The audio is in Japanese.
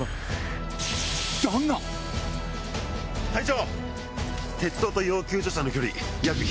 隊長！